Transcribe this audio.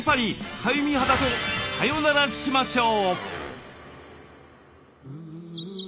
かゆみ肌とサヨナラしましょう。